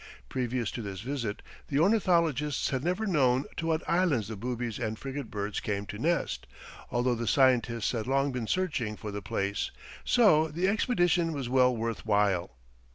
Previous to this visit the ornithologists had never known to what islands the boobies and frigate birds came to nest, although the scientists had long been searching for the place, so the expedition was well worth while.